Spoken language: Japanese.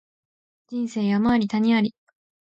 人生山あり谷あり